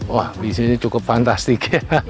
wah bisnis ini cukup fantastik